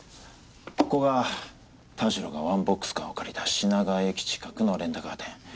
ここが田代がワンボックスカーを借りた品川駅近くのレンタカー店。